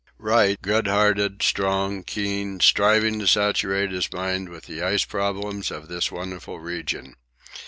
Wright, good hearted, strong, keen, striving to saturate his mind with the ice problems of this wonderful region.